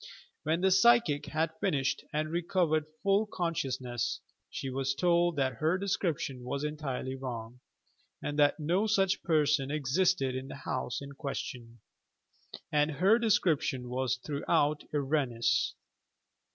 When the psychic had finished and recovered full eon Bciousnese, she was told that her description was en tirely wrong, and that no such person existed in the honse in question, and that her description was through out erroneous.